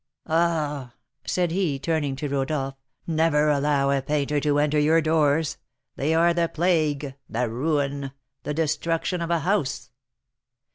Ah," said he, turning to Rodolph, "never allow a painter to enter your doors; they are the plague the ruin the destruction of a house!"